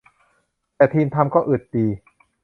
แต่ทีมทำก็อึดดี